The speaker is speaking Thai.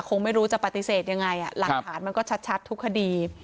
คงไม่รู้จะปฏิเสธยังไงหลักฐานมันก็ชัดทุกคดี